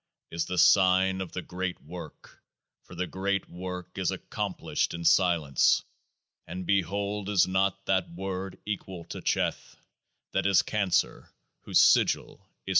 — is the sign of the GREAT WORK, for the GREAT WORK is ac complished in Silence. And behold is not that Word equal to Cheth, that is Cancer, whose Sigil is 25?